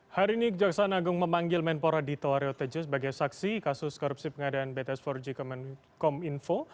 hari ini kejaksaan agung memanggil menpora dito arya tejas sebagai saksi kasus korupsi pengadaan bts empat g com info